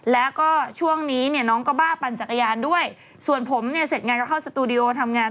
แล้วก็ช่วงนี้เนี่ยน้องก็บ้าปั่นจักรยานด้วยส่วนผมเนี่ยเสร็จงานก็เข้าสตูดิโอทำงาน